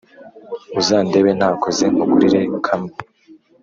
Uzandebe ntakoze nkugurire kamwe